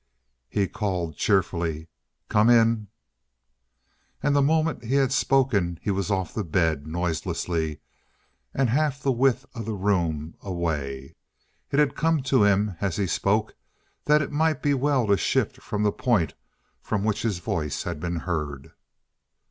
He called cheerfully: "Come in!" And the moment he had spoken he was off the bed, noiselessly, and half the width of the room away. It had come to him as he spoke that it might be well to shift from the point from which his voice had been heard.